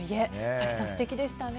早紀さん、素敵でしたね。